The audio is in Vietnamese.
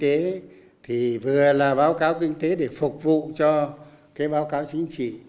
kinh tế thì vừa là báo cáo kinh tế để phục vụ cho cái báo cáo chính trị